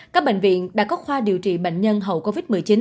các bệnh viện đã có khoa điều trị bệnh nhân hậu covid một mươi chín